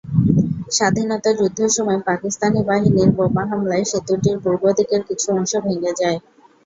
স্বাধীনতাযুদ্ধের সময় পাকিস্তানি বাহিনীর বোমা হামলায় সেতুটির পূর্বদিকের কিছু অংশ ভেঙে যায়।